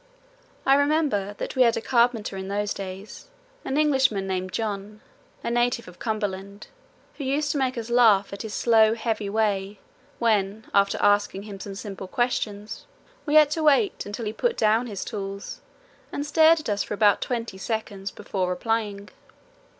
I remember that we had a carpenter in those days, an Englishman named John, a native of Cumberland, who used to make us laugh at his slow heavy way when, after asking him some simple question, we had to wait until he put down his tools and stared at us for about twenty seconds before replying.